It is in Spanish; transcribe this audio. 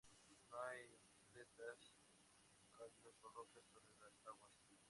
No hay isletas, cayos o rocas sobre las aguas.